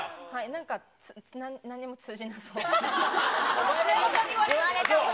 なんかなんにも通じなさそう。